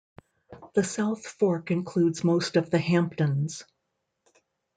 The South Fork includes most of the Hamptons.